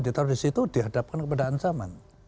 ditaruh di situ dihadapkan kepada ancaman